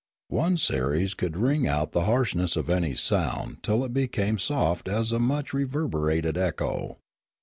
One series could wring out the harshness of any sound till it became soft as a much reverberated echo.